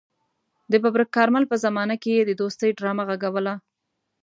د ببرک کارمل په زمانه کې يې د دوستۍ ډرامه غږوله.